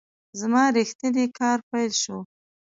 زما ریښتینی کار پیل شو .